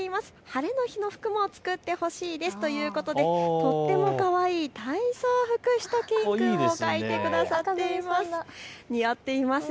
晴れの日の服も作ってほしいですということでとってもかわいい体操服しゅと犬くんを描いてくださっています。